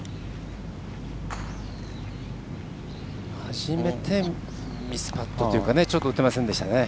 初めてミスパットというかちょっと打てませんでしたね。